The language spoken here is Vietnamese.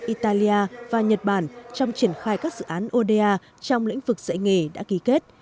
italia và nhật bản trong triển khai các dự án oda trong lĩnh vực dạy nghề đã ký kết